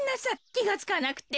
きがつかなくて。